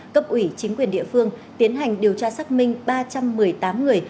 cấp ủy chính quyền địa phương tiến hành điều tra xác minh ba trăm một mươi tám người